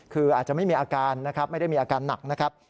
คืออาจจะไม่มีอาการนะครับไม่ได้มีอาการหนักนะครับ